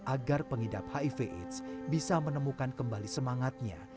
agar pengidap hiv aids bisa menemukan kembali semangatnya